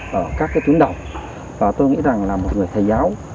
và tôi nghĩ rằng là một người thầy giáo